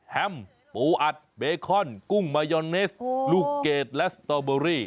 แฮมปูอัดเบคอนกุ้งมายอนเนสลูกเกดและสตอเบอรี่